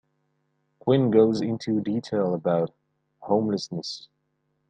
Quinn goes into detail about homelessness.